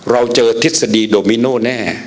เราเจอทฤษฎีโดมิโนแน่